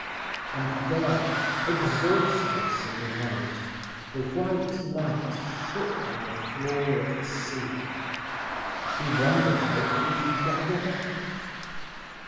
And there, exhaustless in the night, the white light shook on the floor of the sea. He wondered how it would be gathered up.